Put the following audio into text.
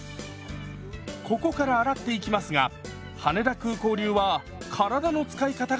ここから洗っていきますが羽田空港流は体の使い方が違います！